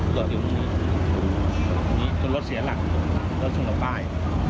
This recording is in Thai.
โดดอยู่ตรงนี้จนรถเสียหลักรถสุ่มต่อไป